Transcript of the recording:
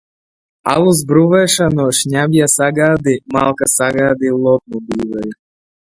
Alus brūvēšanu, šņabja sagādi, malkas sagādi lokmobīlei.